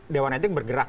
dewan etik bergerak